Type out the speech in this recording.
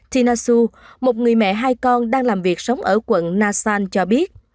tina su một người mẹ hai con đang làm việc sống ở quận nha san cho biết